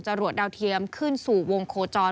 วดดาวเทียมขึ้นสู่วงโคจร